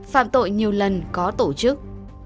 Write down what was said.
phạm tội nhiều lần có tổ chức